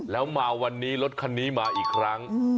แล้วมาวันนี้รถคันนี้มาอีกครั้ง